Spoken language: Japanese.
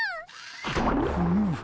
フム！